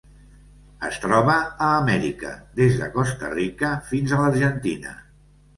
Es troba a Amèrica: des de Costa Rica fins a l'Argentina.